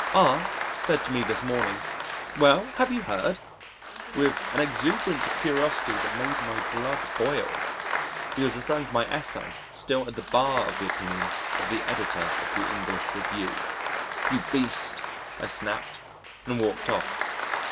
R said to me this morning, "Well, have you heard?" with an exuberance of curiosity that made my blood boil he was referring to my Essay still at the bar of the opinion of the Editor of the English Review. "You beast," I snapped and walked off.